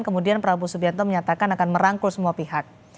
kemudian prabowo subianto menyatakan akan merangkul semua pihak